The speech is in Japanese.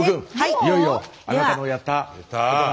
いよいよあなたのやったことが。